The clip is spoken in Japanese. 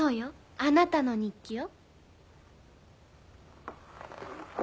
あなたの日記よ。